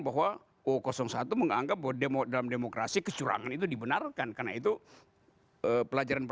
bahwa satu menganggap bahwa demo dalam demokrasi kecurangan itu dibenarkan karena itu pelajaran